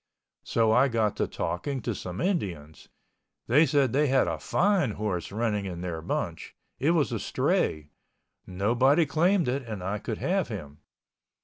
So I got to talking to some Indians. They said they had a fine horse running in their bunch. It was a stray—nobody claimed it and I could have him.